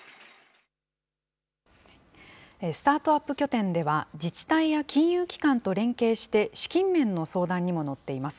スタートアップ拠点では、自治体や金融機関と連携して、資金面の相談にも乗っています。